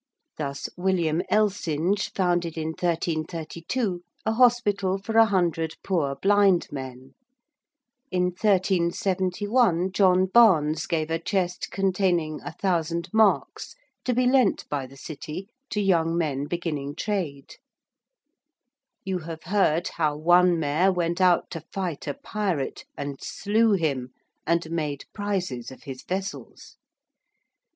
Thus William Elsinge founded in 1332 a hospital for a hundred poor blind men: in 1371 John Barnes gave a chest containing 1,000 marks to be lent by the City to young men beginning trade. You have heard how one Mayor went out to fight a pirate and slew him and made prizes of his vessels.